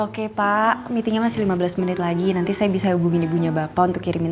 oke pak meetingnya masih lima belas menit lagi nanti saya bisa hubungin ibunya bapak untuk kirimin